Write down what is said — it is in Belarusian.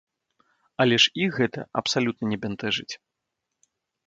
Але ж іх гэта абсалютна не бянтэжыць.